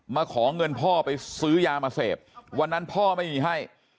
มาขอเงินพ่อไปซื้อยามาเสพวันนั้นพ่อไม่มีให้